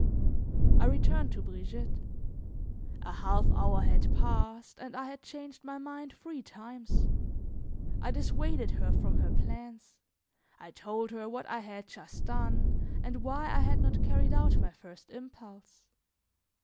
I returned to Brigitte. A half hour had passed, and I had changed my mind three times. I dissuaded her from her plans, I told her what I had just done and why I had not carried out my first impulse.